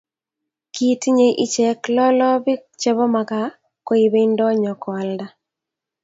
Kitinyei ichek lolobik chebo makaa koibei ndonyo koalda